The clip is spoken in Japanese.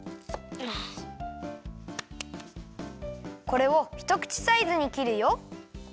これをひとくちサイズにきるよ。